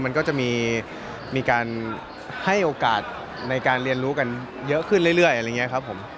มันก็จะมีการให้โอกาสในการเรียนรู้กันเยอะขึ้นเรื่อยอะไรอย่างนี้ครับผม